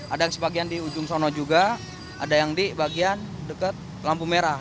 ada yang sebagian di ujung sana juga ada yang di bagian dekat lampu merah